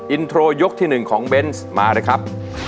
อินโทรยกที่๑ของเบนส์มาเลยครับ